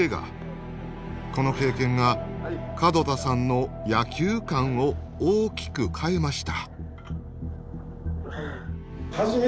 この経験が門田さんの野球観を大きく変えました。